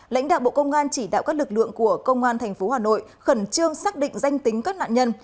lãnh đạo bộ công an chỉ đạo các lực lượng của công an tp hà nội khẩn trương xác định danh tính các nạn nhân